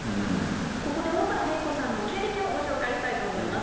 ここで大原麗子さんの経歴をご紹介したいと思います。